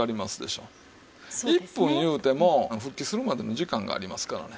１分いうても復帰するまでの時間がありますからね。